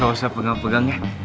nggak usah pegang pegang ya